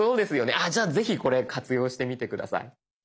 あじゃあぜひこれ活用してみて下さい。